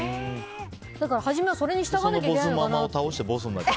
だからはじめはそれに従わないといけないのかなって。